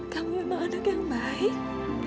kamu memang anak yang baik